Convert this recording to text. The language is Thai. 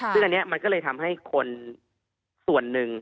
ซึ่งอันนี้มันก็เลยทำให้คนส่วนหนึ่ง